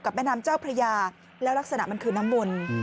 แม่น้ำเจ้าพระยาแล้วลักษณะมันคือน้ำมนต์